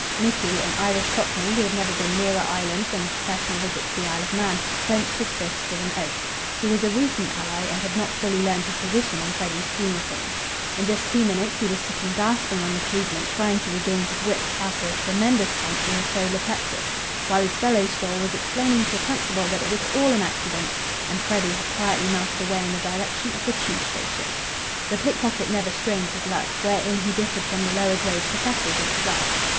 Micky, an Irish Cockney who had never been nearer Ireland than a professional visit to the Isle of Man, clenched his fists with an oath. He was a recent ally, and had not fully learned his position in Freddy's scheme of things. In just two minutes, he was sitting gasping on the pavement, trying to regain his wits after a tremendous punch in the solar plexus, while his fellow "stall" was explaining to a constable that it was all an accident, and Freddy had quietly melted away in the direction of the Tube station. The pickpocket never strained his luck, wherein he differed from the lower grade professors of his art.